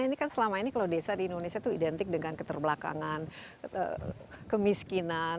ini kan selama ini kalau desa di indonesia itu identik dengan keterbelakangan kemiskinan